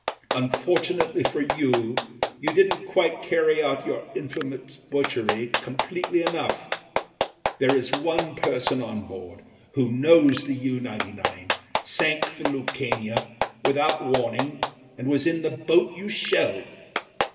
Unfortunately for you you didn't quite carry out your infamous butchery completely enough. There is one person on board who knows the U 99 sank the Lucania without warning and was in the boat you shelled."